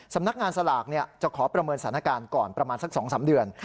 สำนักงานสลากจะขอประเมินสถานการณ์ก่อนประมาณสัก๒๓เดือน